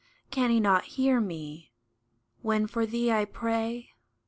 Can He not hear me when for thee I pray